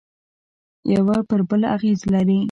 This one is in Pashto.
یوه پر بل اغېز لري